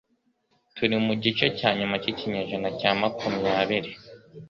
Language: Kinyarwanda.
Turi mu gice cya nyuma cyikinyejana cya makumyabiri